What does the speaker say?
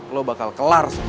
lo bakal kelar semua